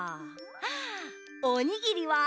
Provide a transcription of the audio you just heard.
あおにぎりは？